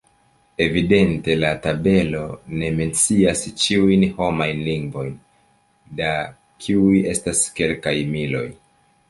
Evidente la tabelo ne mencias ĉiujn homajn lingvojn, da kiuj estas kelkaj miloj.